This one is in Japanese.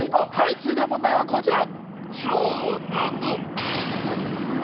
続いての問題はこちら。